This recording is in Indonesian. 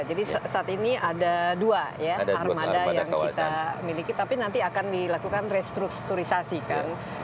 jadi saat ini ada dua armada yang kita miliki tapi nanti akan dilakukan restrukturisasi kan